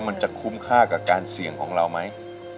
มันจะคุ้มค่ากับการเสี่ยงของเราไหม